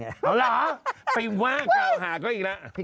เออเหรอไปว่าก้าวหาก็อีกแล้ว